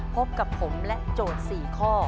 พบกับผมและโจทย์๔ข้อ